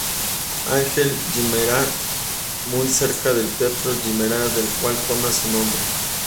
Ángel Guimerá, muy cerca del Teatro Guimerá del cual toma su nombre.